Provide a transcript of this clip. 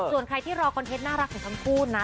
ส่วนใครที่รอคอนเทนต์น่ารักของทั้งคู่นะ